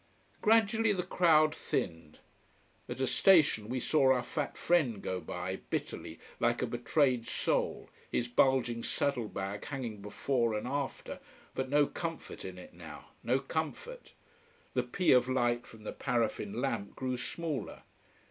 Gradually the crowd thinned. At a station we saw our fat friend go by, bitterly, like a betrayed soul, his bulging saddle bag hanging before and after, but no comfort in it now no comfort. The pea of light from the paraffin lamp grew smaller.